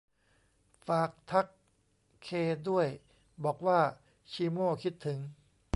ฝากทักเคด้วย บอกว่าชีโม่คิดถึง